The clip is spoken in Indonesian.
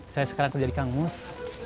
saya sekarang kerja di kampus